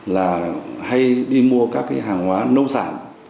là hay đi mua các cái hàng hóa nông sản